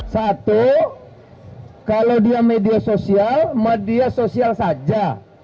satu kalau dia media sosial media sosial saja